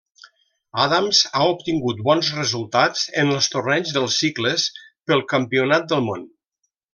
Adams ha obtingut bons resultats en els torneigs dels cicles pel Campionat del món.